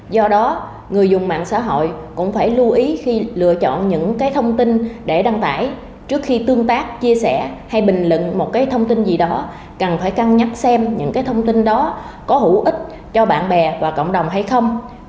do đó người dùng mạng xã hội cũng phải lưu ý khi lựa chọn những thông tin để đăng tải trước khi tương tác chia sẻ hay bình luận một thông tin gì đó cần phải cân nhắc xem những cái thông tin đó có hữu ích cho bạn bè và cộng đồng hay không